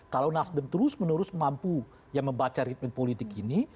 kalau nasdem terus menerus mampu membaca ritmen politik ini